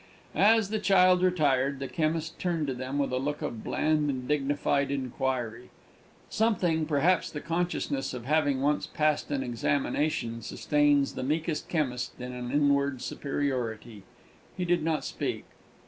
As the child retired, the chemist turned to them with a look of bland and dignified inquiry (something, perhaps the consciousness of having once passed an examination, sustains the meekest chemist in an inward superiority). He did not speak.